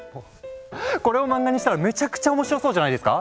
これを漫画にしたらめちゃくちゃ面白そうじゃないですか？